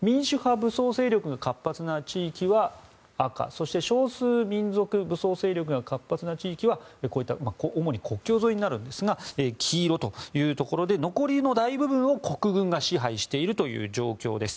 武装勢力が活発な地域は赤そして少数民族武装勢力が活発な地域は主に国境沿いになるんですが黄色ということで残りの大部分を国軍が支配しているという状況です。